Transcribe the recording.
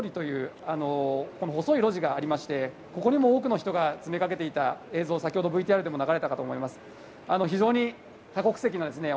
その裏に世界飲食文化通りという細い路地があり、ここにも多くの人が詰めかけていた映像、先ほどＶＴＲでも流れたかと思います。